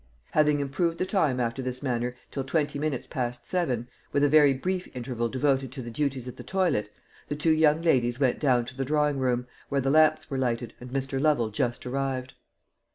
Having improved the time after this manner till twenty minutes past seven, with a very brief interval devoted to the duties of the toilet, the two young ladies went down to the drawing room, where the lamps were lighted, and Mr. Lovel just arrived.